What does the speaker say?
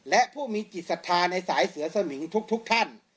และผู้มีจิตศรัทธาในสายเสือสมิงทุกท่าน